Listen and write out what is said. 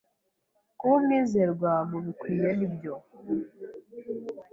Kuba umwizerwa mubikwiye nibyo.